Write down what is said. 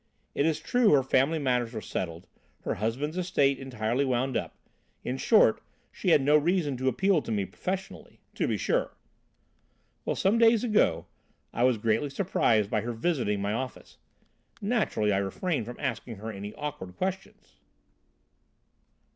It is true her family matters were settled, her husband's estate entirely wound up. In short, she had no reason to appeal to me professionally." "To be sure." "Well, some days ago, I was greatly surprised by her visiting my office. Naturally I refrained from asking her any awkward questions."